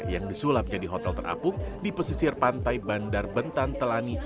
yang disulap jadi hotel terapung di pesisir pantai bandar bentan telani